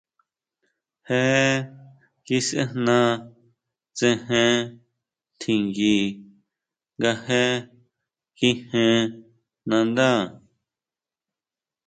Je kisʼejna tsejen tjingui nga je kíjen ndáje.